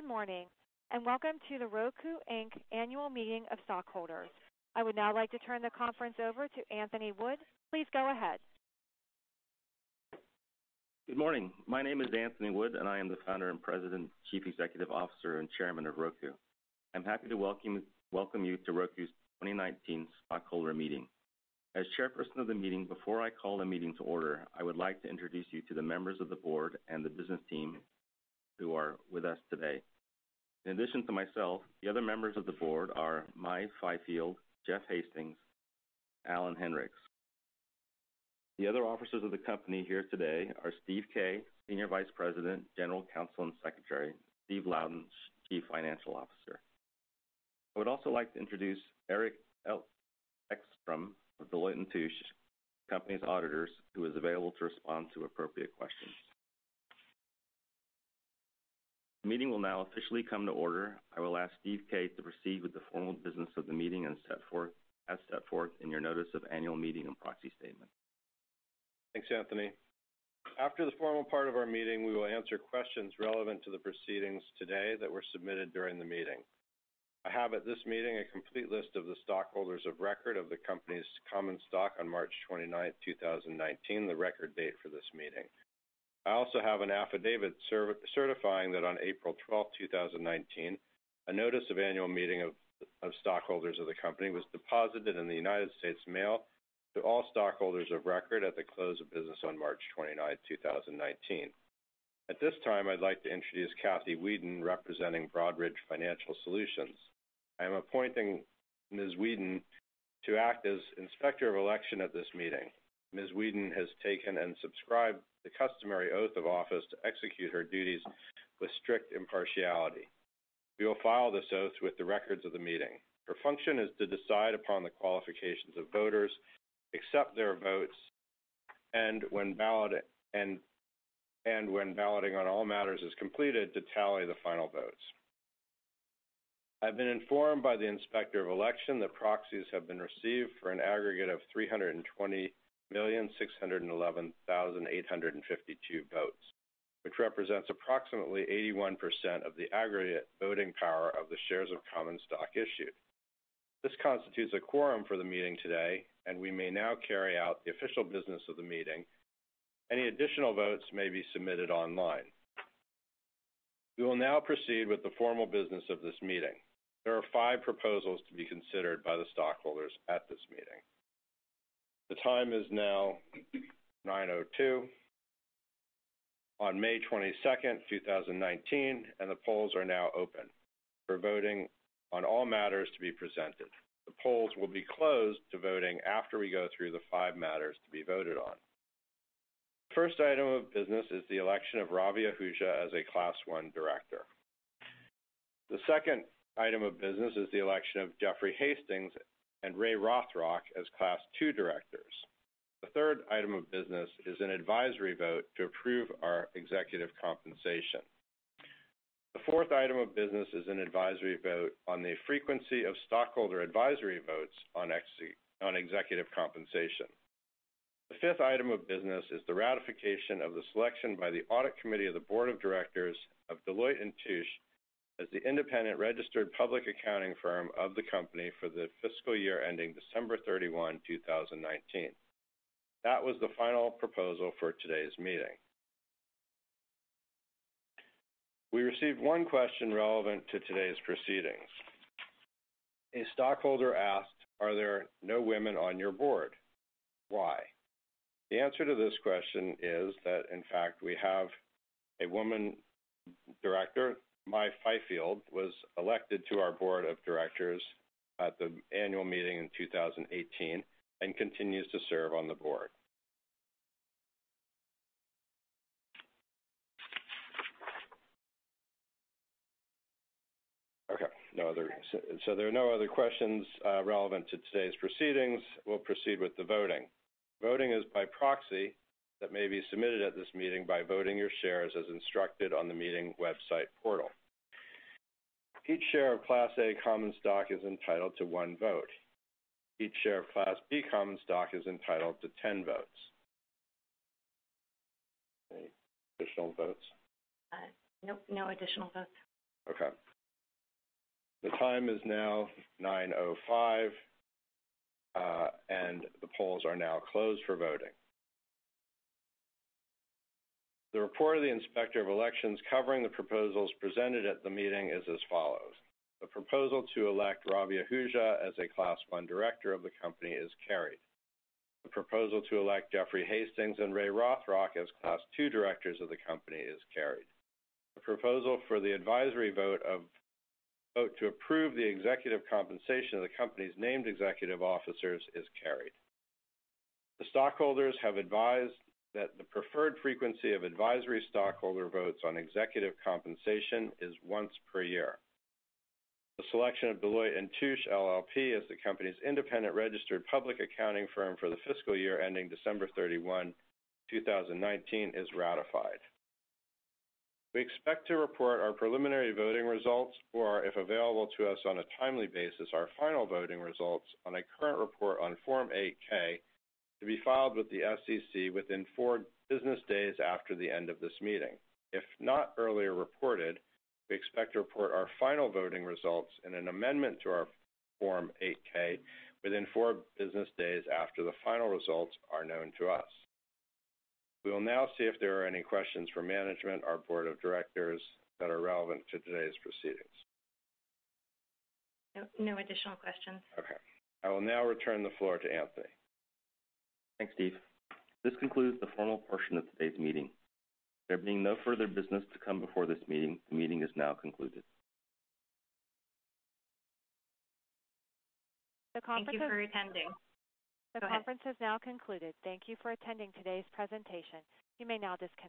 Good morning, and welcome to Roku, Inc. Annual Meeting of Stockholders. I would now like to turn the conference over to Anthony Wood. Please go ahead. Good morning. My name is Anthony Wood, and I am the founder and President, Chief Executive Officer, and Chairman of Roku. I'm happy to welcome you to Roku's 2019 stockholder meeting. As chairperson of the meeting, before I call the meeting to order, I would like to introduce you to the members of the board and the business team who are with us today. In addition to myself, the other members of the board are Mai Fyfield, Jeff Hastings, Alan Henricks. The other officers of the company here today are Stephen Kay, Senior Vice President, General Counsel, and Secretary, Steve Louden, Chief Financial Officer. I would also like to introduce Eric Ekstrom of Deloitte & Touche, the company's auditors, who is available to respond to appropriate questions. The meeting will now officially come to order. I will ask Stephen Kay to proceed with the formal business of the meeting as set forth in your notice of annual meeting and proxy statement. Thanks, Anthony. After the formal part of our meeting, we will answer questions relevant to the proceedings today that were submitted during the meeting. I have at this meeting a complete list of the stockholders of record of the company's common stock on March 29th, 2019, the record date for this meeting. I also have an affidavit certifying that on April 12th, 2019, a notice of annual meeting of stockholders of the company was deposited in the United States mail to all stockholders of record at the close of business on March 29th, 2019. At this time, I'd like to introduce Kathy Weedon representing Broadridge Financial Solutions. I am appointing Ms. Weedon to act as inspector of election at this meeting. Ms. Weedon has taken and subscribed the customary oath of office to execute her duties with strict impartiality. We will file this oath with the records of the meeting. Her function is to decide upon the qualifications of voters, accept their votes, and when balloting on all matters is completed, to tally the final votes. I've been informed by the inspector of election that proxies have been received for an aggregate of 320,611,852 votes, which represents approximately 81% of the aggregate voting power of the shares of common stock issued. This constitutes a quorum for the meeting today, and we may now carry out the official business of the meeting. Any additional votes may be submitted online. We will now proceed with the formal business of this meeting. There are five proposals to be considered by the stockholders at this meeting. The time is now 9:02 on May 22nd, 2019, and the polls are now open for voting on all matters to be presented. The polls will be closed to voting after we go through the five matters to be voted on. First item of business is the election of Ravi Ahuja as a Class I director. The second item of business is the election of Jeffrey Hastings and Ray Rothrock as Class II directors. The third item of business is an advisory vote to approve our executive compensation. The fourth item of business is an advisory vote on the frequency of stockholder advisory votes on executive compensation. The fifth item of business is the ratification of the selection by the audit committee of the board of directors of Deloitte & Touche as the independent registered public accounting firm of the company for the fiscal year ending December 31, 2019. That was the final proposal for today's meeting. We received one question relevant to today's proceedings. A stockholder asked, "Are there no women on your board? Why?" The answer to this question is that, in fact, we have a woman director. Mai Fyfield was elected to our board of directors at the annual meeting in 2018 and continues to serve on the board. Okay. There are no other questions relevant to today's proceedings. We'll proceed with the voting. Voting is by proxy that may be submitted at this meeting by voting your shares as instructed on the meeting website portal. Each share of Class A common stock is entitled to one vote. Each share of Class B common stock is entitled to 10 votes. Any additional votes? Nope, no additional votes. Okay. The time is now 9:05 A.M., and the polls are now closed for voting. The report of the inspector of elections covering the proposals presented at the meeting is as follows. The proposal to elect Ravi Ahuja as a Class I director of the company is carried. The proposal to elect Jeffrey Hastings and Ray Rothrock as Class II directors of the company is carried. The proposal for the advisory vote to approve the executive compensation of the company's named executive officers is carried. The stockholders have advised that the preferred frequency of advisory stockholder votes on executive compensation is once per year. The selection of Deloitte & Touche LLP as the company's independent registered public accounting firm for the fiscal year ending December 31, 2019, is ratified. We expect to report our preliminary voting results, or if available to us on a timely basis, our final voting results on a current report on Form 8-K to be filed with the SEC within four business days after the end of this meeting. If not earlier reported, we expect to report our final voting results in an amendment to our Form 8-K within four business days after the final results are known to us. We will now see if there are any questions for management or board of directors that are relevant to today's proceedings. No additional questions. Okay. I will now return the floor to Anthony. Thanks, Stephen. This concludes the formal portion of today's meeting. There being no further business to come before this meeting, the meeting is now concluded. The conference- Thank you for attending. Go ahead The conference has now concluded. Thank you for attending today's presentation. You may now disconnect